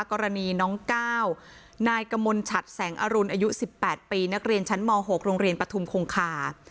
กรณีน้องก้าวนายกมลชัดแสงอรุณอายุ๑๘ปีนักเรียนชั้นม๖โรงเรียนปฐุมคงคา